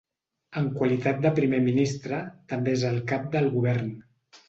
En qualitat de primer ministre, també és el cap del govern.